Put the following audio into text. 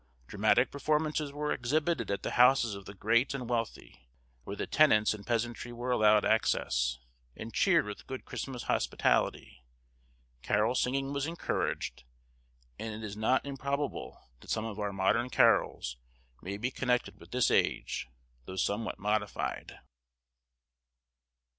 Dramatic performances were exhibited at the houses of the great and wealthy, where the tenants and peasantry were allowed access, and cheered with good Christmas hospitality; carol singing was encouraged, and it is not improbable that some of our modern carols may be connected with this age, though somewhat modified.